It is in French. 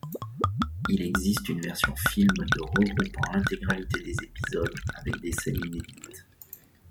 Il existe une version film de regroupant l'intégralité des épisodes avec des scènes inédites.